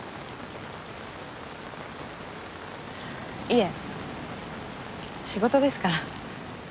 いえ仕事ですから。